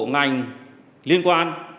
ngành liên quan